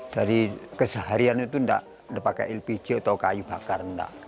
jadi seharian itu tidak pakai ilmu biji atau kayu bakar